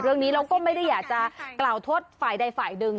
เรื่องนี้เราก็ไม่ได้อยากจะกล่าวโทษฝ่ายใดฝ่ายหนึ่ง